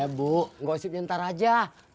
eh bu gosipnya ntar aja